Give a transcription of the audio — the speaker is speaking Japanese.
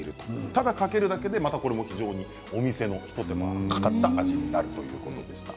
ただかけるだけで、これも非常にお店の一手間かかった味になるということでした。